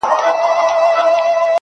• گوره را گوره وه شپوږمۍ ته گوره.